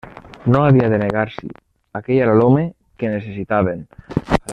No havia de negar-s'hi: aquell era l'home que necessitaven.